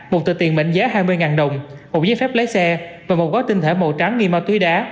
một tờ tiền mệnh giá hai mươi đồng một giấy phép lấy xe và một gói tinh thể màu trắng nghi ma túy đá